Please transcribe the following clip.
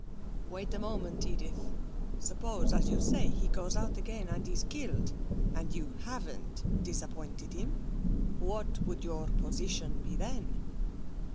'Wait a moment, Edith. Suppose, as you say, he goes out again and is killed, and you haven't disappointed him, what would your position be then?'